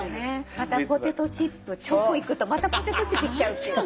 またポテトチップチョコいくとまたポテトチップいっちゃうっていう。